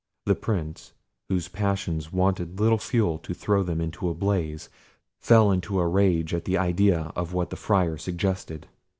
The Prince, whose passions wanted little fuel to throw them into a blaze, fell into a rage at the idea of what the Friar suggested.